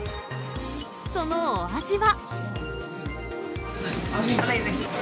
そのお味は。